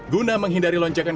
guna menghindari lonjakan